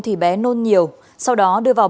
thì bé nôn nhiều sau đó đưa vào